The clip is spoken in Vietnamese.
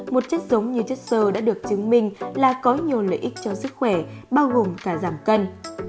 một chất giống như chất sơ đã được chứng minh là có nhiều lợi ích cho sức khỏe bao gồm cả giảm cân